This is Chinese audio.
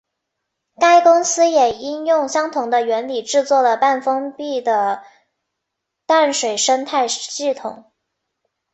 该公司也应用相同的原理制作了半封闭的淡水生态系统。